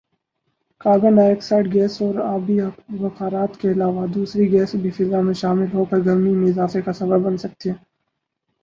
carbon dioxide gas اور آبی بخارات کے علاوہ ، دوسری گیسیں بھی فضا میں شامل ہوکر گرمی میں اضافے کا سبب بن سکتی ہیں